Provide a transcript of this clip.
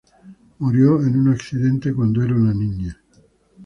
Murió en un accidente cuando era una niña.